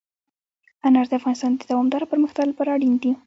انار د افغانستان د دوامداره پرمختګ لپاره اړین دي.